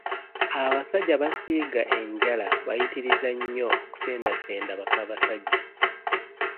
Abasajja abasiiga enjala bayitiriza nnyo okusendasenda bakabasajja.